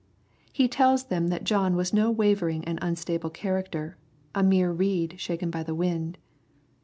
He tells them that John was no wavering and unstable character, a mere reed shaken by the wind.